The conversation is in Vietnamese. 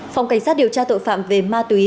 phòng cảnh sát điều tra tội phạm về ma túy